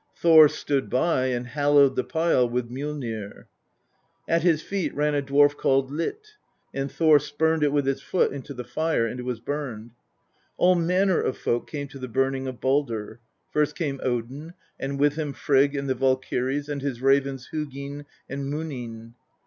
Thor stood by, and hallowed the pile with Mjollnir. At his feet ran a dwarf called Lit, and Thor spurned it with his loot into the tire, and it was burned. All manner of folk came to the burning of Baldr. First came Odin, and with him Frigg and the valkyries and his ravens Hugin and Munm.